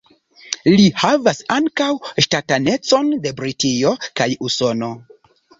Li havas ankaŭ ŝtatanecon de Britio kaj Usono.